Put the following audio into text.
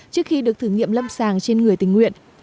trước khi được thử nghiệm lâm sàng trên người tình nguyện